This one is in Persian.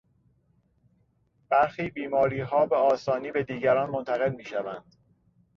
برخی بیماریها به آسانی به دیگران منتقل میشود.